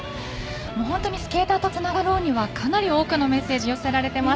本当にスケーターとつながろうにはかなり多くのメッセージが寄せられています。